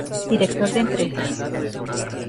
Director de empresas.